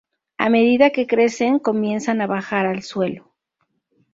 A medida que crecen comienzan a bajar al suelo.